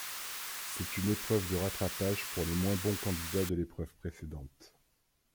C'est une épreuve de rattrapage pour les moins bons candidats de l'épreuve précédente.